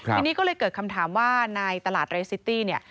ทีนี้ก็เลยเกิดคำถามว่าในตลาดเรซิตี้เนี่ย